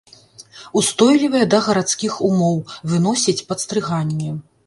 Устойлівая да гарадскіх умоў, выносіць падстрыганне.